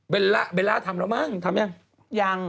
เบลล่าทำแล้วมั้งทำยังยัง